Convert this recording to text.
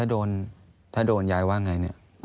อันดับ๖๓๕จัดใช้วิจิตร